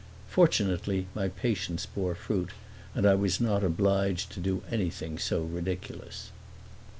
Fortunately my patience bore fruit, and I was not obliged to do anything so ridiculous.